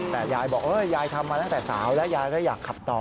แต่ยายบอกว่าเฮ้ยยายทำมาแล้วแต่สาวยายก็อยากขับต่อ